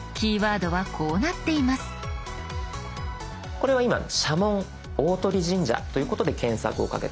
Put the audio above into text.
これは今「社紋大鳥神社」ということで検索をかけています。